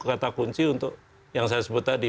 kata kunci untuk yang saya sebut tadi